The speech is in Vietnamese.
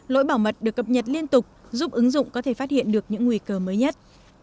lỗi bảo mật được cập nhật liên tục giúp ứng dụng có thể phát hiện được những nguy cơ mới nhất